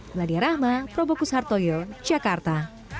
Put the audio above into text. meladia rahma probokus hartoyo jakarta